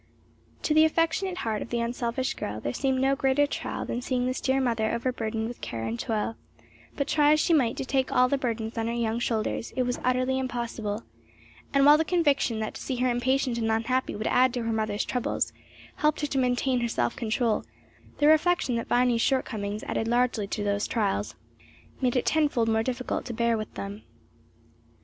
To the affectionate heart of the unselfish girl there seemed no greater trial than seeing this dear mother overburdened with care and toil; but try as she might to take all the burdens on her young shoulders, it was utterly impossible; and while the conviction that to see her impatient and unhappy would add to her mother's troubles, helped her to maintain her self control, the reflection that Viny's shortcomings added largely to those trials, made it tenfold more difficult to bear with them.